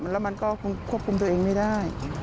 แล้วมันก็คงควบคุมตัวเองไม่ได้